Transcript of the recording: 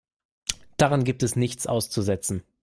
Daran gibt es nichts auszusetzen.